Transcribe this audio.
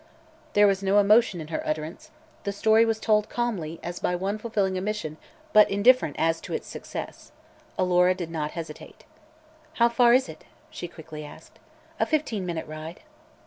There was no emotion in her utterance; the story was told calmly, as by one fulfilling a mission but indifferent as to its success. Alora did not hesitate. "How far is it?" she quickly asked. "A fifteen minute ride."